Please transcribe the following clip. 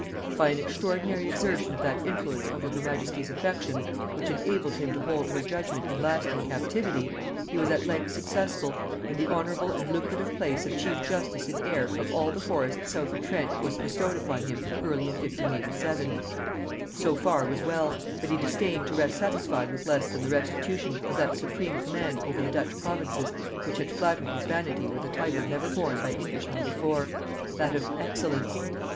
By an extraordinary exertion of that influence over her majesty's affections which enabled him to hold her judgement in lasting captivity, he was at length successful, and the honorable and lucrative place of chief justice in Eyre of all the forests south of Trent was bestowed upon him early in 1587. So far was well; but he disdained to rest satisfied with less than the restitution of that supreme command over the Dutch provinces which had flattered his vanity with a title never borne by Englishman before; that of Excellence.